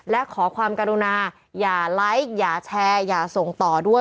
และขอความกรุณาอย่าไลค์อย่าแชร์อย่าส่งต่อด้วย